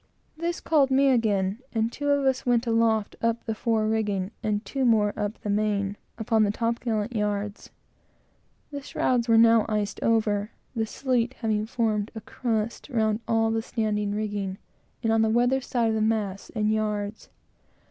This called me again, and two of us went aloft, up the fore rigging, and two more up the main, upon the top gallant yards. The shrouds were now iced over, the sleet having formed a crust or cake round all the standing rigging, and on the weather side of the masts and yards.